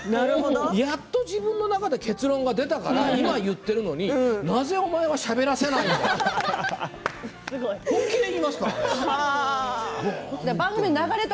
やっと自分の中で結論が出たから言っているのになぜしゃべらせないんだと。